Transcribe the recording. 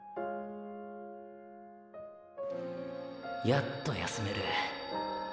やっと休める。